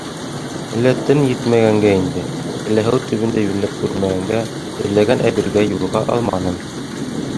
Әллә тын етмәгәнгә инде, әллә һыу төбөндә йүнләп күрмәгәнгә, эҙләгән әйбергә юлыға алманым.